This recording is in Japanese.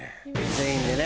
全員でね